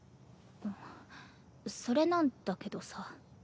んっそれなんだけどさ。